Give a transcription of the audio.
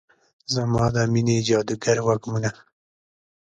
زما د میینې جادوګر وږمونه